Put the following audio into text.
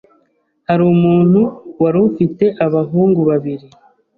hari umuntu wari ufite abahungu babiri